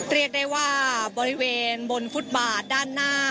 เรียกได้ว่าบริเวณบนฟุตบาทด้านหน้า